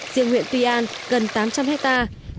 diện huyện tuy an gần tám trăm linh hectare